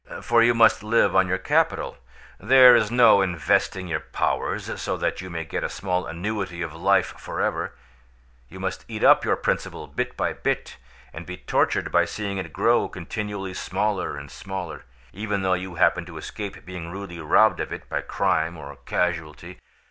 For you must live on your capital; there is no investing your powers so that you may get a small annuity of life for ever: you must eat up your principal bit by bit, and be tortured by seeing it grow continually smaller and smaller, even though you happen to escape being rudely robbed of it by crime or casualty.